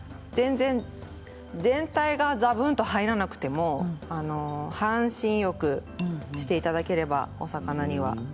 全体がざぶんと入らなくても半身浴していただければお魚には。